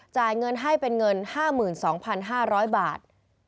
จ่ายเงินให้เป็นเงิน๕๒๕๐๐บาท